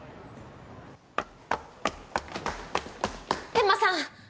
天間さん！